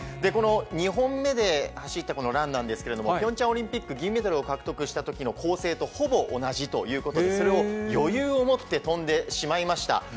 この２本目で走ったこのランなんですけど、ピョンチャンオリンピック銀メダルを獲得したときの構成とほぼ同じということで、それを余裕を持って飛んでしまいました。